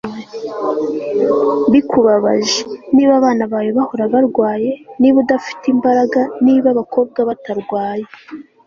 bikubabaje, niba abana bawe bahora barwaye, niba udafite imbaraga, niba abakobwa batarwaye